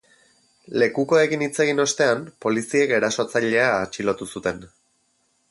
Lekukoekin hitz egin ostean, poliziek erasotzailea atxilotu zuten.